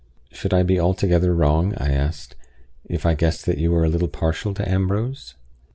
"Should I be altogether wrong," I asked, "if I guessed that you were a little partial to Ambrose?"